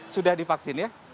sudah divaksin ya